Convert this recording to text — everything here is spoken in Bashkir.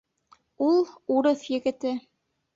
Ул — урыҫ егете.